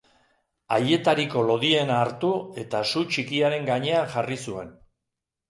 Haietariko lodiena hartu, eta su txikiaren gainean jarri zuen.